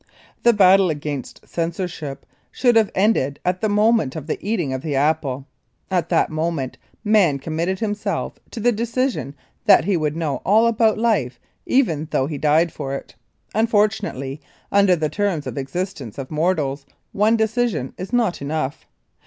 The battle against censorship should have ended at the moment of the eating of the apple. At that moment Man committed himself to the decision that he would know all about life even though he died for it. Unfortunately, under the terms of the existence of mortals one decision is not enough.